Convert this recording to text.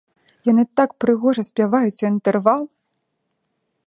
Яны так прыгожа спяваюць у інтэрвал!